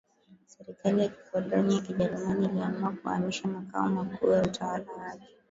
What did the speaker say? Serikali ya kikoloni ya Kijerumani iliamua kuhamisha makao makuu ya utawala wake